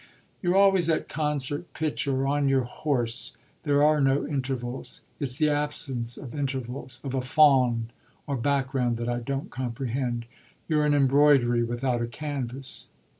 "You're always at concert pitch or on your horse; there are no intervals. It's the absence of intervals, of a fond or background, that I don't comprehend. You're an embroidery without a canvas."